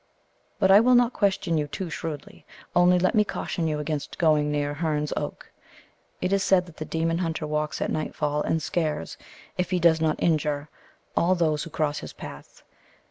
"But I will not question you too shrewdly. Only let me caution you against going near Herne's Oak. It is said that the demon hunter walks at nightfall, and scares, if he does not injure, all those who cross his path.